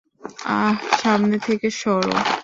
আহ, সামনে থেকে শর।